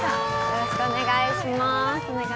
よろしくお願いします。